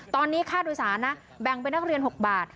ตอนนี้ค่าโดยสารนะแบ่งเป็นนักเรียน๖บาท